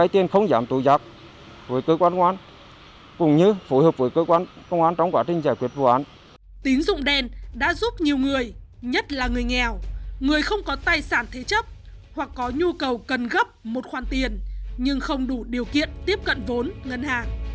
tín dụng đen đã giúp nhiều người nhất là người nghèo người không có tài sản thế chấp hoặc có nhu cầu cần gấp một khoản tiền nhưng không đủ điều kiện tiếp cận vốn ngân hàng